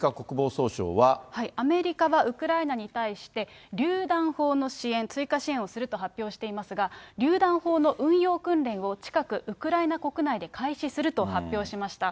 アメリカはウクライナに対して、りゅう弾砲の支援、追加支援をすると発表していますが、りゅう弾砲の運用訓練を近くウクライナ国内で開始すると発表しました。